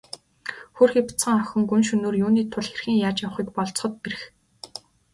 Хөөрхий бяцхан охин гүн шөнөөр юуны тул хэрхэн яаж явахыг болзоход бэрх.